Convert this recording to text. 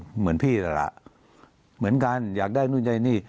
เหมือนพี่นั่นแหละเหมือนกันอยากได้นู่นได้นี่